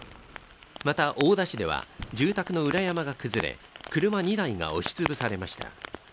また大田市では住宅の裏山が崩れ車２台が押しつぶされました。